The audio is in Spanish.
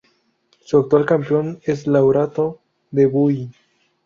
Su actual campeón es Lautaro de Buin.